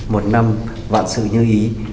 một năm vạn sự như ý